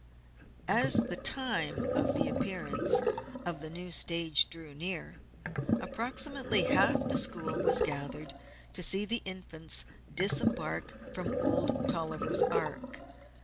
As the time for the appearance of the stage drew near, approximately half the school was gathered to see the Infants disembark from Old Dolliver's Ark.